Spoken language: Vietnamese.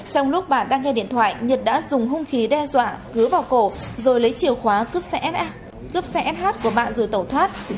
trong lúc bà đang nghe điện thoại nhật đã dùng hung khí đe dọa cứu vào cổ rồi lấy chiều khóa cướp xe sh của bà rồi tẩu thoát